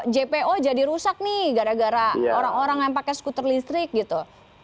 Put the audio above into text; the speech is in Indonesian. jpo jadi rusak nih gara gara orang orang yang pakai skuter listrik gitu